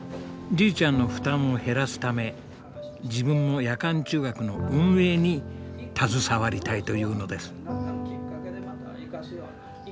じいちゃんの負担を減らすため自分も夜間中学の運営に携わりたいというのです。